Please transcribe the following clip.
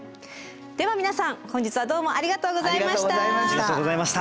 では皆さん本日はどうもありがとうございました。